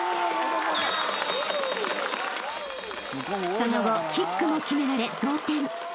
［その後キックも決められ］